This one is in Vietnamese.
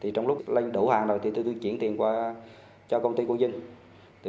trong lúc lên đủ hàng rồi tôi chuyển tiền qua cho công ty quang dinh